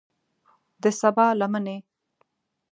د سبا لمنې